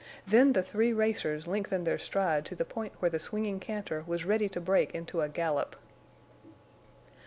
Then the three racers lengthened their stride to the point where the swinging canter was ready to break into a gallop.